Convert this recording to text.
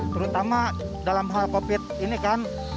terutama dalam hal covid ini kan